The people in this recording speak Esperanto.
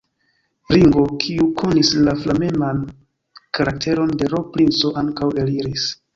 Ringo, kiu konis la flameman karakteron de l' princo, ankaŭ eliris.